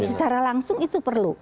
secara langsung itu perlu